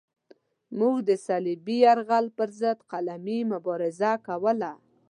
موږ د صلیبي یرغل پرضد قلمي مبارزه کوله.